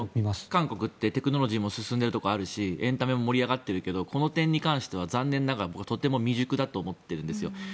韓国ってテクノロジーも進んでいるところあるしエンタメも盛り上がってるけどこの点に関してはとても未熟だと思ってるんですよ。